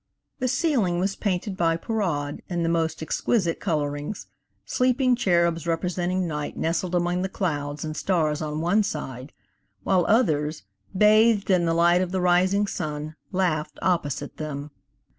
The ceiling was painted by Perraud in the most exquisite colorings; sleeping cherubs representing night nestled among the clouds and stars on one side, while others, bathed in the light of the rising sun, laughed opposite them.